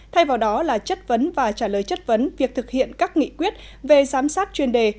thay vào đó là chất vấn và trả lời chất vấn việc thực hiện các nghị quyết về giám sát chuyên đề